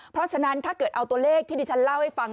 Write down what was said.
เพราะฉะนั้นถ้าเกิดเอาตัวเลขที่ดิฉันเล่าให้ฟัง